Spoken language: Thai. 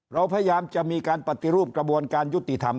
เราพยายามจะมีการปฏิรูปกระบวนการยุติธรรม